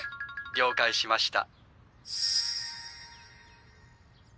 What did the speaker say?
了解しました。